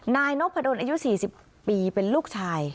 นายนพดลอายุ๔๐ปีเป็นลูกชาย